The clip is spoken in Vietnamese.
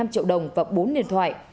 một mươi ba năm triệu đồng và bốn điện thoại